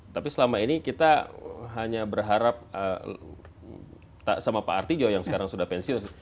tapi selama ini kita hanya berharap sama pak artijo yang sekarang sudah pensiun